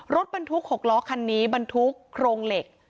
รถบรรทุก๖ล้อคันนี้บรรทุกโครงเหล็ก